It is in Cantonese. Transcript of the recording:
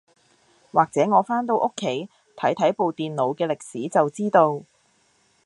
或者我返到屋企睇睇部電腦嘅歷史就知道